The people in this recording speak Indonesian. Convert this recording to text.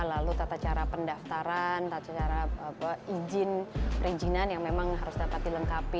lalu tata cara pendaftaran tata cara izin perizinan yang memang harus dapat dilengkapi